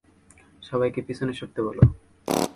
সবাইকে পিছনে সরতে বল।